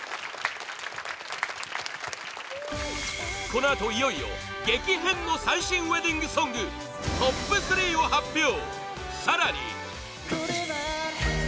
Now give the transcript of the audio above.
このあと、いよいよ激変の最新ウェディングソングトップ３を発表！